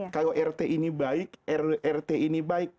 kalau rt ini baik rt ini baik